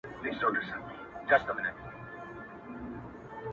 زما د خې ورځې دعا يى د پاس رب ج نه غوخته,